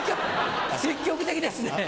積極的ですね。